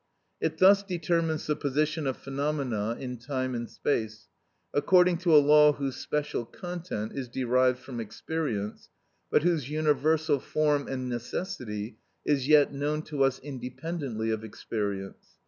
It thus determines the position of phenomena in time and space, according to a law whose special content is derived from experience, but whose universal form and necessity is yet known to us independently of experience.